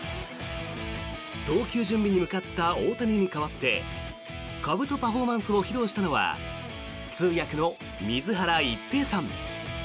投球準備に向かった大谷に代わってかぶとパフォーマンスを披露したのは通訳の水原一平さん。